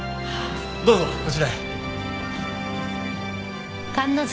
どうぞこちらへ。